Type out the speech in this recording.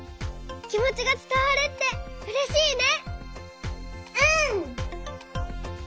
きもちがつたわるってうれしいね！